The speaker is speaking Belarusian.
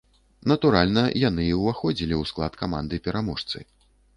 Натуральна, яны і ўваходзілі ў склад каманды-пераможцы.